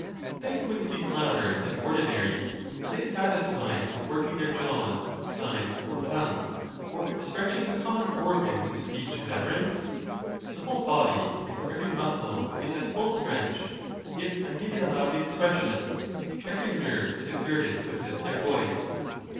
they who would speak louder than ordi nary, are they satisfied with working their jaws, sides, or tongue, or stretching the common organs of speech and utterance? The whole body and every muscle is at full stretch, if I may be allowed the expression; every nerve is exerted to assist their voice.